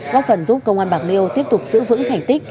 góp phần giúp công an bạc liêu tiếp tục giữ vững thành tích